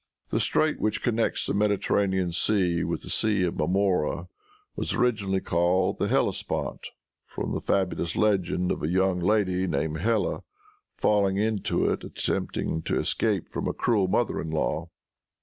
The strait which connects the Mediterranean Sea with the Sea of Marmora was originally called the Hellespont, from the fabulous legend of a young lady, named Helle, falling into it in attempting to escape from a cruel mother in law.